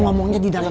masuklah ke dalam